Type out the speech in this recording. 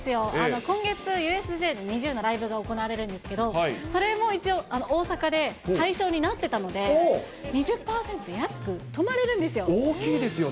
今月、ＵＳＪでＮｉｚｉＵのライブが行われるんですけど、それも一応、大阪で対象になってたので、２０％安く泊まれるんですよ。大きいですよね。